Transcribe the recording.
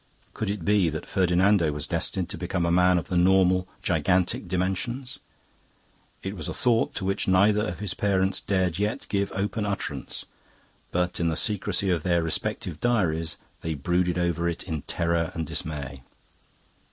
Could it be that Ferdinando was destined to become a man of the normal, gigantic dimensions? It was a thought to which neither of his parents dared yet give open utterance, but in the secrecy of their respective diaries they brooded over it in terror and dismay.